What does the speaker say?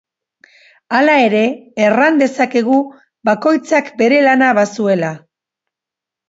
Hala ere, erran dezakegu bakoitzak bere lana bazuela.